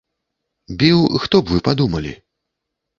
Біў, хто б вы падумалі?